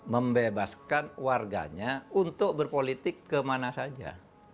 membebaskan warganya untuk berpolitik kemana saja